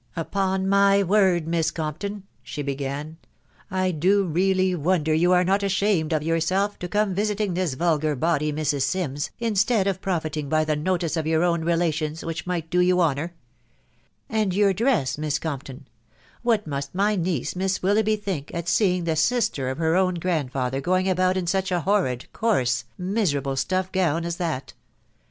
" Upon my word, Miss Compton," she began, iC I do really wonder you are not ashamed of yourself, to come visiting this vulgar body Mrs. Sims, instead of pionting \ry \Yie TkoUs» Gt your own relations, which might do you \umo\xx. ka& ^crax THE WIDOW BARNABY. 91 dress, Miss Campton !... What must my niece, Miss Wil loughby, think, at seeing the sister of her own grandfather going about in such a horrid, coarse, miserable stuff gown as that